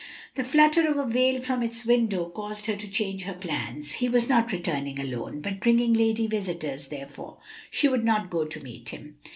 The flutter of a veil from its window caused her to change her plans. He was not returning alone, but bringing lady visitors; therefore, she would not go to meet him.